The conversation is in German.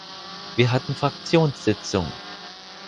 Wir hatten Fraktionssitzung.